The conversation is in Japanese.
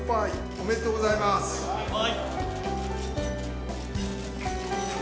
おめでとうございます。乾杯。